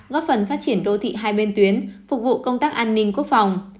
góp phần phát triển đô thị hai bên tuyến phục vụ công tác an ninh quốc phòng